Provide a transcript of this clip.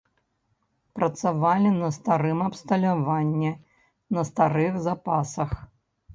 Працавалі на старым абсталяванні, на старых запасах.